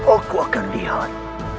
aku akan lihat